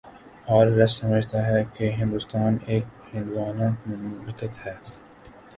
are S S سمجھتا ہے کہ ہندوستان ایک ہندووانہ مملکت ہے